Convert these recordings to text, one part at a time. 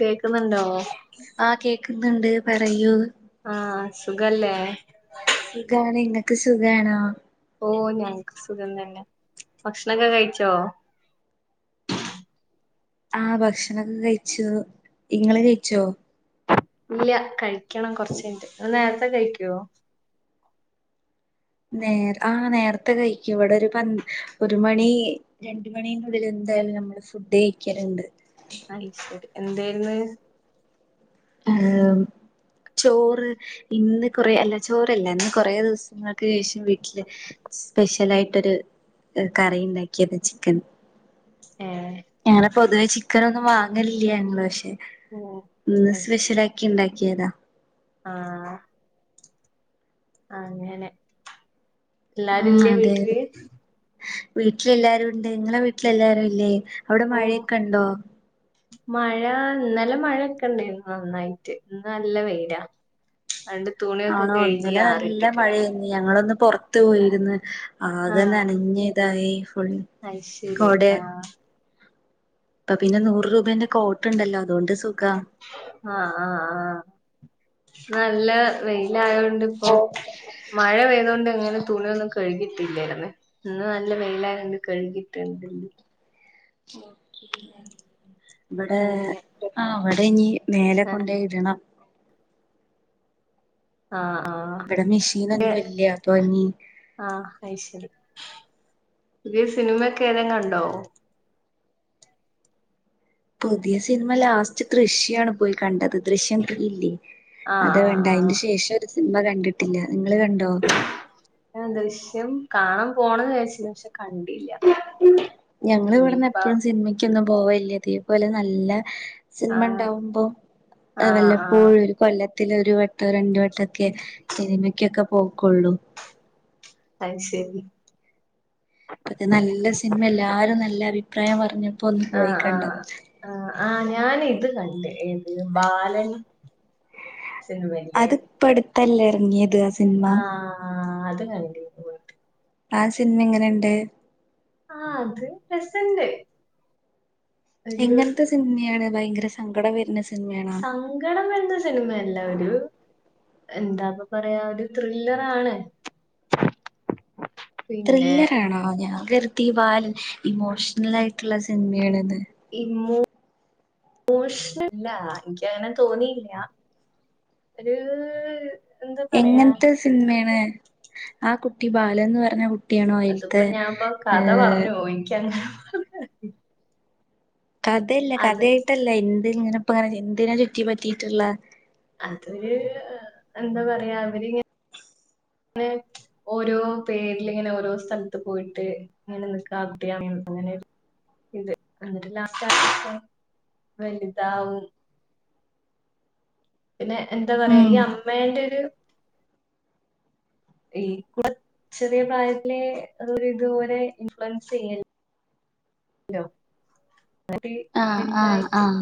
കേക്കുന്നുണ്ടോ ആഹ് കേക്കുന്നുണ്ട് പറയൂ ആഹ് സുഖല്ലേ സുഖാണ് നിങ്ങക്ക് സുഖാണോ. ഓഹ് ഞങ്ങക്ക് സുഖം തന്നെ ഭക്ഷണക്കെ കഴിച്ചോ. ആഹ് ഭക്ഷണക്കെ കഴിച്ചു ഇങ്ങള് കഴിച്ചോ. ഇല്ല കഴിക്ക്യണം കൊറച്ച് കഴിഞ്ഞിട്ട് നേര്ത്തെ കഴിക്ക്യോ നേർ ആഹ് നേരത്തെ കഴിക്കും ഇവിടെ ഒരു പ ഒരു മണീ രണ്ട് മണീൻ്റെ ഉള്ളിൽ എന്തായാലും നമ്മള് ഫുഡ്ഡ് കഴിക്കല്ണ്ട്. ഐ ശരി എന്തേര്ന്ന്. അത് ചോറ് ഇന്ന് കുറേ അല്ല ചോറല്ല ഇന്ന് കൊറേ ദിവസങ്ങൾക്ക് ശേഷം വീട്ടില്. സ്പെഷ്യലായിട്ടൊരു കറി ഉണ്ടാക്കിയത് ചിക്കൻ. ഏഹ് ഞാന് പൊതുവേ ചിക്കനൊന്നും വാങ്ങലില്ല ഞങ്ങള് പക്ഷെ. ഓഹ് അത് ശരി ഇടാക്കി ഉണ്ടാക്കിയതാ. ആഹ് അങ്ങനെ. എല്ലാരും ഉം ഇല്ലേ അതെ അതെ വീട്ടില് വീട്ടിലെല്ലാരും ഉണ്ട് നിങ്ങളെ വീട്ടിലെല്ലാരും ഇല്ലേ. അവിടെ ഓ മഴയൊക്കെ ഉണ്ടോ. മഴ ഇന്നലെ മഴൊക്കെ ഉണ്ടായിരുന്നു നന്നായിട്ട് ഇന്ന് നല്ല വെയിലാ രണ്ട് തൂൺ ആണോ ഇന്നലെ നല്ല മഴേന്ന് ഞങ്ങളൊന്ന് പൊറത്ത് പോയിര്ന്ന് ആകെ നനഞ്ഞ് ദായി ഫുള്ള്. അത് ശരി ആഹ് പ്പൊ പിന്നെ നൂറ് രൂപേന്റെ കോട്ട്ണ്ടല്ലോ അതുകൊണ്ട് സുഖാ ആഹ് ആഹ് ആഹ് നല്ല വെയിലായോണ്ട് ഇപ്പം മഴ പെയ്തോണ്ട് എങ്ങനെ തുണിയൊന്നും കഴുകിട്ടില്ലേർന്ന് ഇന്ന് നല്ല വെയിലായോണ്ട് കഴുകിട്ടിണ്ട്ന്ന് നോക്കിയില്ലാർന്നു ഇവിടെ അങ്ങനെ ആഹ് വ്ടെ ഇനി മേലെ ആഹ് കൊണ്ടോയി ഇടണം. ആഹ് ആഹ് ഇവടെ മിഷീനൊന്നും ഇല്ല അപ്പൊ ഇനി ആഹ് അയ് ശരി പുതിയ സിനിമയൊക്കെ ഏതേം കണ്ടോ പുതിയ സിനിമ ലാസ്റ്റ് ദൃശ്യാണ് പോയി കണ്ടത് ദൃശ്യം ത്രീ ഇല്ലേ ആഹ് അതാ കണ്ടേ ആഹ് ആഹ് അയിന് ശേഷം ഒരു സിനിമ കണ്ടിട്ടില്ല നിങ്ങള് കണ്ടോ ആഹ് ദൃശ്യം കാണാൻ പോണംന്ന് വിചാരിച്ചീന്ന് പക്ഷെ കണ്ടില്ല ഞങ്ങളിവിടന്ന് ഇനിയിപ്പ എപ്പോഴും സിനിമക്കൊന്നും പോവലില്ല ഇതേപോലെ നല്ല സിനിമ ആഹ് ഉണ്ടാവുമ്പോ ആഹ് വല്ലപ്പോഴും കൊല്ലത്തിലൊരു വട്ടോ രണ്ട് വട്ടൊക്കെ സിനിമക്കൊക്കെ പോക്കൊള്ളൂ അയ് ശരി അപ്പ ഇത് നല്ല സിനിമ എല്ലാരും നല്ല അഭിപ്രായം പറഞ്ഞപ്പോ ഒന്ന് പോയി ആഹ് ആഹ് കണ്ടതാ ആഹ് ആഹ് ഞാൻ ഇത് കണ്ട് ഏത് ബാലൻ സിനിമേണ്ലെ ഇപ്പടുത്തല്ലെ എറങ്ങിയത് ആഹ് ആഹ് അത് കണ്ട് ആഹ് സിനിമ എങ്ങനെണ്ട് ആഹ് അത് രസണ്ട് ഒരു എങ്ങനത്തെ സിനിമയാണ് ഭയങ്കര സങ്കടം വരുന്ന സി സങ്കടം വരുന്ന സിനിമയല്ല ഒരു എന്താപ്പൊ പറയാ ഒരു ത്രില്ലറാണ് [inaudible] പിന്നെ ത്രില്ലറാണോ ഞാൻ കരുതി ബാലൻ ഇമോഷണലായിട്ടുള്ള സിനിമയാണെന്ന് ഇമോഷണലല്ല എനിക്ക് അങ്ങനെ തോന്നിയില്ല ഒര് എങ്ങൻത്തെ സിനിമേണ് ആ കുട്ടി ബാലൻന്ന് പറഞ്ഞ കു ട്ടിയണോ അയിൽത്തെ ഏഹ് ഓഹ് ഇൻക്ക് കഥയല്ല അത് കഥായിട്ടല്ല എന്ത് ഇങ്ങനെ ഇപ്പ എന്തിന ചുറ്റി പറ്റിയിട്ടുള്ള അതൊരു എന്താ പറയാ അവരിങ്ങന [unintelligible] ഓരോ പേരിലിങ്ങനെ ഓരോ സ്ഥലത്ത് പോയിട്ട് ഇങ്ങനെ നിക്കാ ആ കുട്ടി അങ്ങനെ ഇത് എന്നിട്ട് ലാസ്റ്റ് അവൻ വലുതാവും [inaudible] പിന്നെ എന്താ പറയാ ഉം ഈ അമ്മേന്റെ ഒരു ഈ കൊച്ച് ചെറിയ പ്രായത്തിലെ ഇതുപോലെ ഇൻഫ്ലുവൻസ് ചെയ്യ്ണത് ലൊ അന്നിട്ട് ആഹ് ആഹ് വലുതായിട്ട് ആഹ്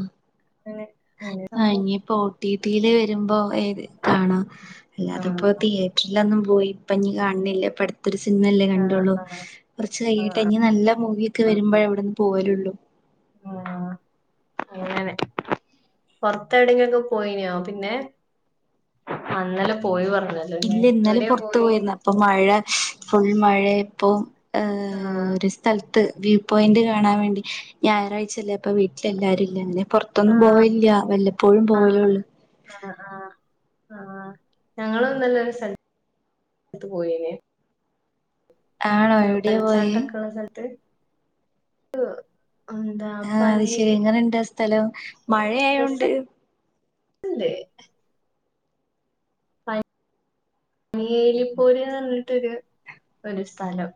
അങ്ങനെ അങ്ങനെ സംഭവം ടീവില് വരുമ്പോ കാണ ആഹ് അല്ലാതിപ്പോ തിയേ റ്ററിലൊന്നും പോയി ഇപ്പഞ്ഞി കാണിണില്ല ഇപ്പടു ത്തൊരു സിനിമയല്ലേ ആഹ് കണ്ടുള്ളൂ ആഹ് കൊറച്ച് കയ്യട്ടെ ആഹ് ഇഞ്ഞി നല്ല മൂവിയൊക്കെ വരുമ്പോഴെ ഇവിടെന്ന് പോവലുള്ളു ആഹ് ആഹ് അങ്ങനെ പൊറത്തെവിടെങ്കിലൊക്കെ പോയിനോ പിന്നെ? ആഹ് ഇന്നലെ പോയി പർഞ്ഞേ ഇല്ല ഇന്നലെ പൊറത്തു പോയിര്ന്ന് അപ്പൊ മഴ ഫുൾ മഴയായപ്പോ ആഹ് സ്ഥലത്ത് വ്യൂ പോയന്റ് കാണാൻ വേണ്ടി ഞായറാഴ്ച്ചല്ലേ അപ്പ വീട്ടിലെല്ലാരു [unintelligible] പൊർ എപ്പളും പോവലില്ലാ വല്ലപ്പോഴും ആഹ് പോവലൊള്ളു. ആഹ് ആഹ് ആഹ് ഞങ്ങള്ന്നലൊരു സ്ഥലത്ത് പോയിനി. ആണോ വ്യൂ എവിടെയാ പോയേ വെള്ളച്ചാട്ടൊക്കെള്ള സ്ഥലത്ത് ഹ് ആഹ് വിഷയങ്ങളുണ്ട് ആഹ് സ്ഥലം മഴയായോണ്ട് [unintelligible] വേലിപ്പോര്ന്ന് പറഞ്ഞിട്ടൊരു ഒരു സ്ഥലം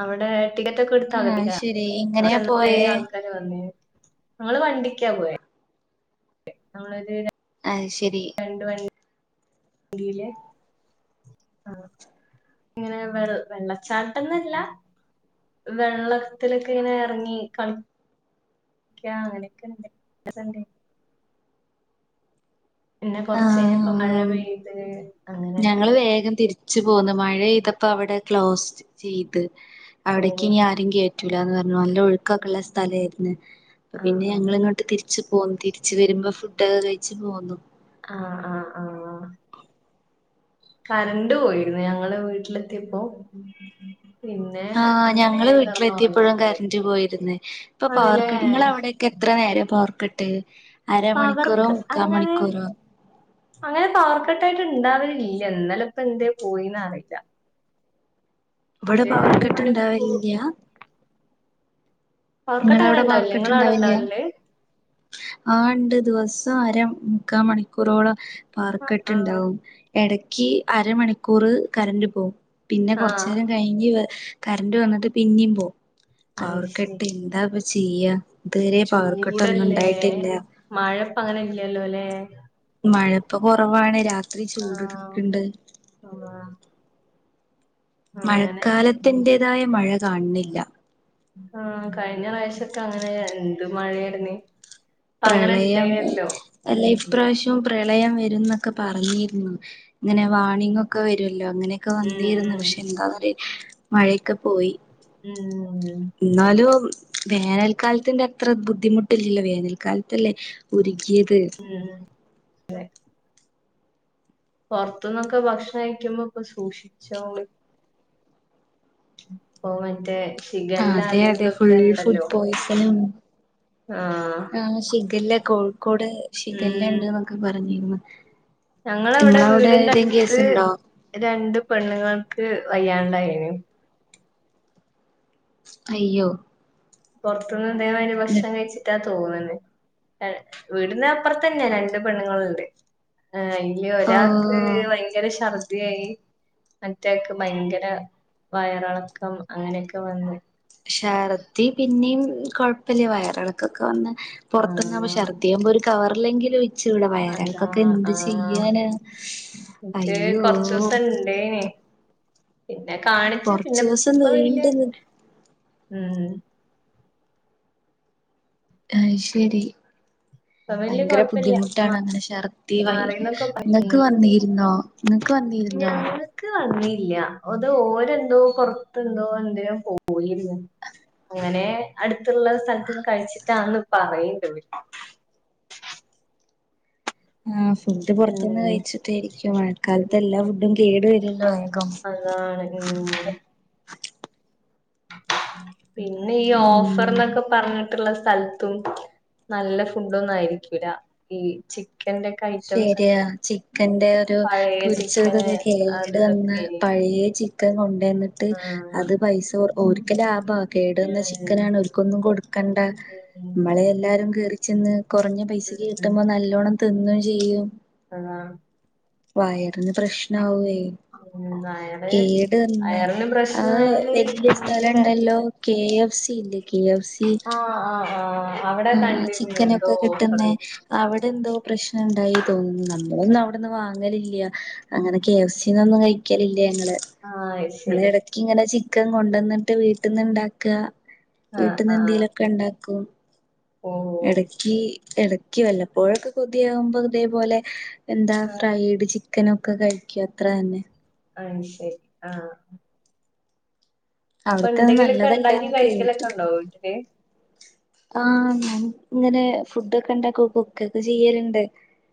അവടെ ആഹ് [unintelligible] ശരി എങ്ങനെയാ പോയേ ഞങ്ങള് വണ്ടിക്കാ പോയേ. ആര്? അഹ് ശരി രണ്ട് വള്ളി [unintelligible] ആഹ് ഇങ്ങനെ വെൾ വെള്ളച്ചാട്ടന്നല്ല വെള്ളത്തിലൊക്കെ ഇങ്ങനെ എറങ്ങി കൾ ക്കാ അങ്ങനെയൊക്കെണ്ട് [unintelligible] പിന്നെ കൊർച്ച് കഴിഞ്ഞപ്പം മഴ ആഹ് പെയ്ത് അങ്ങനെക്കെ. ഞങ്ങള് വേഗം തിരിച്ചു പോന്ന് മഴയ്തപ്പോ അവടെ ക്ലോസ്റ്റ് ചെയ്ത് അവിടേക്ക് പോന്നു ഇനി ആ ത്തിങ്കി കേറ്റുലാന്ന് പർഞ്ഞ് നല്ല ഒഴുക്കൊക്കെള്ള സ്ഥലായിരുന്ന് അപ്പ ആഹ് പിന്നെ ആഹ് ഞങ്ങള് ഇങ്ങോ ട്ട് തിരിച്ച് പോന്നു തിരിച്ചു വരുമ്പോ ഫുഡക്കെ കഴിച്ചു പോന്നു. ആഹ് ആഹ് ആഹ് ആഹ് കറണ്ട് പോയിരുന്നു ഞങ്ങള് വീട്ടിലെത്തിയപ്പോ. പിന്നെ ആഹ് അങ്ങനെ ഞങ്ങള് വീട്ടിലെത്തിയപ്പോഴും കെടന്നുറങ്ങിപ്പോയി കറന്റ് പോയിരുന്ന് ഇപ്പോ പവർ ആണ്ല്ലേ കട്ട് ഇങ്ങളെ അവിടൊക്കെ എത്ര നേരം പവർക്കെട്ട് അരമണിക്കൂറോ പവർക്ക് മുക്കാ അങ്ങനെ മണിക്കൂറോ? അങ്ങനെ പവർ കട്ടായിട്ട് ഇണ്ടാവലില്ല ഇന്നലെ ഇപ്പ എന്തേ പോയിന്ന് അറിയില്ല. ഇവടെ ഒരു പവർ ഒരു കട്ട് മണിക്കൂർ ഇണ്ടാവലില്ല. പവർക്കട്ട് ഇങ്ങളെ അങ്ങനെ അവടെ ഇണ്ടാവില്ലേ പവർക്കെട്ട് നിങ്ങള അവിടെ ഇണ്ടാവേല്യ? ഇണ്ടാവലില്ലേ ആഹ് ഇണ്ട് ദിവസം അര മുക്കാ മണിക്കൂറോളം ആഹ് പവർക്കെട്ട്ണ്ടാവും. എടക്കി അരമണിക്കൂറ് കറന്റ് പോകും പിന്നെ ആഹ് ആഹ് കൊർച്ചേരം കഴിഞ്ഞ് വേ കറന്റ് വന്ന്ട്ട് പിന്നിം പോവും അത് ശരി പവർക്കട്ട് എന്താ ഇപ്പ ചെയ്യാ. ഇതുവരെ പവർക്കെട്ടൊന്നും ഉണ്ടായിട്ടില്ല. മഴപ്പം അങ്ങനെ ഇല്ലല്ലോല്ലെ? മഴപ്പം കൊറവാണ് രാ ആഹ് [unintelligible] അങ്ങനെ മഴക്കാലത്തിന്റേതായ മഴ കാണുന്നില്ല. ആഹ് കഴിഞ്ഞ പ്രാവശ്യക്കെ അങ്ങനെ എന്ത് മഴയായിരുന്നേ. ഇപ്പ അങ്ങനെ പ്രളയം ഇല്ലേല്ലോ അല്ല ഉം ഇപ്രാവശ്യവും പ്രളയം വരുന്നൊക്കെ പറഞ്ഞിരുന്നു. ഇങ്ങനെ ഉം വാണിങ്ങൊക്കെ വരുല്ലോ അങ്ങനെയക്കെ ഉം വന്നിരുന്നു ഉം പക്ഷെ എന്താ [unintelligible] മഴക്കെ പോയി. ഉം ഉം ഇന്നാലും വേനൽക്കാലത്തിന്റെ അത്ര ബുദ്ധിമുട്ടില്ലല്ലോ വേനൽക്കാലത്തല്ലേ ഉരുകിയത് ഉം പോറത്തുന്നൊക്കെ ഭക്ഷണം കയ്ക്കുമ്പോ ഒക്കെ സൂക്ഷിച്ചോളിം ഇപ്പോ മറ്റെ അതെ അതെ ഫുൾ ഫുഡ് പോയ്സണും ആഹ് ആ ശിഖല്ല കോഴിക്കോട് ശിഗല്ല ഉം ണ്ട്ന്നൊക്കെ പറഞ്ഞിന്നു ഞങ്ങളവിടെ ഇങ്ങളവടെ വീടിന്റെ ഏതേം അടുത്ത് കേസ്ണ്ടോ രണ്ട് പെണ്ണ്ങ്ങൾക്ക് വയ്യാണ്ടായിന് അയ്യോ പോറത്ത്ന്ന് ഇതേമാതിരി ഭക്ഷണം കയ്ച്ച് പറ്റ തോന്ന്ണ് വീടിനാപ്പോറത്തന്നെ രണ്ട് പെണ്ണ്ങ്ങള്ണ്ട് ആ അയ്ല് ഒരാക്ക് ഓ ഭയങ്കര ശർദിയായി മറ്റാക്ക് ഭയങ്കര വയറളക്കം അങ്ങനെയൊക്കെ വന്ന് ശർദി പിന്നിം കൊഴപ്പല്ല വയറളക്കൊക്കെ വന്നാ പോറത്തേറങ്ങ [unintelligible] ആഹ് ശർദി ദിയാവുമ്പോ ഒരു കവറില്ലെങ്കിലു ച്ചുടെ അതാ വയരൾക്കൊക്കെ എന്ത് ആഹ് ചെയ്യാനാ മറ്റേ അയ്യോ കൊറച്ച് ദിവസം ഇണ്ടേനി പിന്നെ കാണിച്ച് കൊറച്ച് പിന്നെ ദിവസം ഇപ്പ വല്ല്യ നീണ്ട് നി ഉം അയ്ശെരി ഇപ്പം വല്യ ഭയങ്കര കൊഴപ്പല്ല ബുദ്ധിമുട്ടാണ് അങ്ങനെ ശർ ദിവായിര്ന്നു മാറിന്നൊക്കെ പറ നിങ്ങക്ക് വന്നിര്ന്നോ നിങ്ങക്ക് വന്നിര്ന്നോ ക്ക് വന്നില്ല അത് ഓരെന്തോ പോറത്ത് എന്തോ എന്തിനോ പോയിരുന്നു അങ്ങനെ അട്ത്ത്ള്ള സ്ഥലത്തന്ന് കഴിച്ചിട്ടാന്ന് പറയ്ണ്ട് ഇവര് ആഹ ഫുഡ് പോറത്ത്ന്ന് ഉം കഴിച്ചിട്ടായിരിക്കും മഴക്കാലത്ത് എല്ലാ ഫുഡും കേടു വരുല്ലോ വേഗം [unintelligible] പിന്നെ ഈ ഉം ഓഫർലോക്കെ പറഞ്ഞ് ട്ട്ള്ള സ്ഥലത്തും നല്ല ഫുഡ് ഒന്നും ആയിരിക്കില്ല ഈ ചിക്കൻ്റെ ശരിയാ ചിക്കന്റെ ഒരു പഴയ ചിക്കന് പൊരിച്ചതൊക്കെ അത് കേട് വന്ന ഇതൊക്കെനി പഴേ ചി ക്കൻ കൊണ്ട് വന്നിട്ട് ആഹ് അത് പൈസ ഓര്ക്ക് ലാഭാ കേട് വന്ന ഉം ചിക്കനാ ഓൽക്കൊന്നും കൊടു കണ്ട ഉം മ്മളെ എല്ലാരും കേറിച്ചെന്ന് കോറഞ്ഞ പൈസക്ക് ഉം കിട്ടുമ്പോ നല്ലോണം തിന്നു ചെയ്യും ആ വയറിന് പ്രശ്ന ആവേയ് ഉം അയറ് കേട് വന്നെ അയറിന് അഹ് പ്രശ്നായാല് വല്ല്യ സ്ഥലം ഭയങ്കര ണ്ടല്ലോ കെ എഫ് സി ഇല്ലേ കെ എഫ് സി ആ ആ ആഹ് അവടെ കണ്ടിരുന്നു എന്തോ ഓഫറ് ആഹ് അവടെ എന്തോ പ്രശ്നംണ്ടായി തോന്നുന്നു നമ്മളൊന്നും അവടെന്ന് വാങ്ങലില്ല അങ്ങനെ കെ എഫ് സിന്നൊന്നും കയ്ക്കലില്ല ഞങ്ങള് ആഹ് അത് ഞങ്ങള് ശരി എട ക്ക് ഇങ്ങനെ ചിക്കൻ കൊണ്ടാന്ന്ട്ട് വീട്ടിന്ന് ഇണ്ടാക്ക ആഹ് വീട്ടിന്ന് ആഹ് എന്തേലൊക്കെ ണ്ടാക്കും ഓഹ് എടക്കി എടക്കി വല്ലപ്പോഴൊക്കെ കൊതിയാകുമ്പോ ഇതേപോലെ എന്താ ആഹ് ഫ്രൈഡ് ചിക്കന് ഒക്കെ കയ്ക്കും അത്രന്നെ ആയ് ശരി ആ അവ്ടത്തെ എന്തെങ്കിലൊക്കെ ഇണ്ടാക്കി നല്ലതല്ലാന്ന് കഴിക്കലൊക്കെ കേട്ട് ഉണ്ടോ വീട്ടില് ആഹ് ഞാൻ ഇങ്ങനെ ഫുഡൊക്കെ ഇണ്ടാക്കും കുക്ക് ഒക്കെ ചെയ്യല്ണ്ട്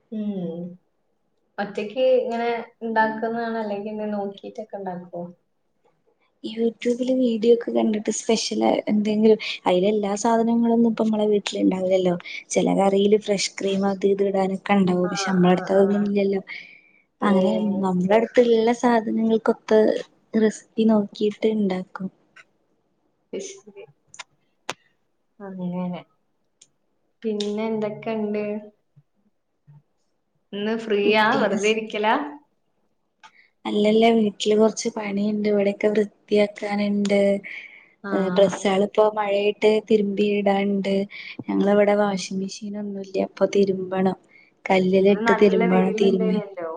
ഉം ഒറ്റക്ക് ഇങ്ങനെ ഇണ്ടാക്കുന്നാണോ അല്ലെങ്കി എന്തിം നോക്കിയിട്ടൊക്കെ ഇണ്ടാക്കോ യൂട്യൂബില് വീഡിയോ ഒക്കെ കണ്ടിട്ട് സ്പെഷ്യൽ എന്തെങ്കിലും അയ്ല് എല്ലാ സാധനങ്ങളൊന്നും ഇപ്പ നമ്മളെ വീട്ട് വട്ടില് ണ്ടാവുല്ലല്ലോ ചേല കറിയില് ഫ്രഷ് ക്രീം അത് ഇത് ഇടാന ഒക്കെ ഇണ്ടാവും പക്ഷെ ആഹ് നമ്മളെ ആഹ് അട്ത്ത് അതൊന്നും ആഹ് ഇല്ല്യല്ലോ അങ്ങനെ ഓഹ് നമ്മളെ അട് ത്ത്ള്ള സാധനങ്ങൾക്കൊത്ത റെസിപ്പി നോക്കിയിട്ട് ഇണ്ടാക്കും അയ്ശെരി പ്പൊ അങ്ങനേണ് പിന്നെ എന്തെക്കെണ്ട് ഇന്ന് ഉം ഫ്രീയാ പിന്നെ വെറുതെ ഇരിക്ക്യലാ അല്ലല്ല വീട്ട്ല് കൊർച്ച് പണിയിണ്ട് ഇവടെയെക്കെ വൃത്തിയാക്കാന്ണ്ട് എഹ് ഡ്രസ്സാള് ആഹ് ഇപ്പൊ മഴായിട്ട് തിര്മ്പി ഇടാൻണ്ട് ഞങ്ങള് ഉം ഇവടെ ഉം വാഷിംഗ് മെഷീ ഷീനൊന്നും ഇല്ല്യ അപ്പൊ തിര്മ്പണം ഇന്ന് നല്ല വെയ്ല് ഇണ്ടേയ്ന്യെല്ലോ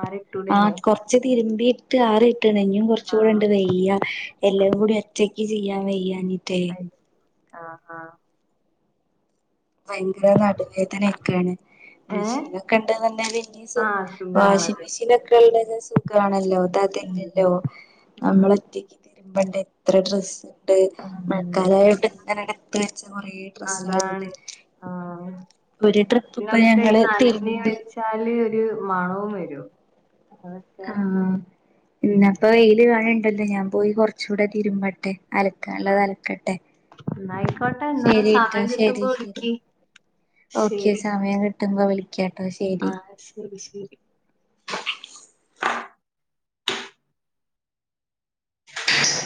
ആറി ഇട്ടൂടേനോ ആഹ് കൊർച്ച് തിര്മ്പി ഇട്ട് ആറി ഇട്ട്ണ് ഇഞ്ഞ്യും കൊർച്ചൂടെ ആഹ് ഇണ്ട് വെയ്യ എല്ലവും കൂടി ഒ റ്റയ്ക്ക് ചെയ്യാൻ വയ്യാഞ്ഞിറ്റേ ഉം ആഹ് ആഹ് ഭയങ്കര നടുവേദനയെക്കേണ് ഏ മിഷീനൊക്കെ ഇണ്ട്ന്ന്ണ്ടെങ്ങെ പിന്നീം സു ആഹ് വാഷിംഗ് സുഖാണല്ലോ മിഷീനൊക്കെ ക്കെള്ളത് സുഖാണല്ലോ ഇത് ഉം അതില്ലല്ലോ ആ, നമ്മള്ഒറ്റയ്ക്ക് തിര്മ്പണ്ടെ എത്ര ഡ്രസ്സ് ഇണ്ട് ഉം മഴക്കാലായ ഇവ്ടെ [unintelligible] ത്ത് വെച്ചത് കൊറേ ഡ്രസ്സാള്ണ്ട് അതാണ് ആഹ് ഒരു ട്രിപ്പ് ഇപ്പൊ പിന്നൊക്കെ ഈ ഞങ്ങള് നനഞ്ഞ് തിരുമ്പി വെച്ചാല് ഒര് മണവും വെരും ആഹ് ആഹ് ഇന്നാപ്പൊ വെയ്ല് കാണ് ണ്ടല്ലോ ഞാൻ പോയി കൊർച്ചൂടെ തിരുമ്പട്ടെ അല ക്കാൻള്ളത് ആഹ് അലക്കട്ടെ എന്നായിക്കോട്ടെ എന്നാ ശരിട്ടോ സമയം ശരി കിട്ടുമ്പോ ശരി വിളിക്ക് ഓക്കെ ശരി സമയം കിട്ടുമ്പൊ വിളി ക്ക്യാ ട്ടോ ശെരി ആഹ് ശെരി ശെരി ഉ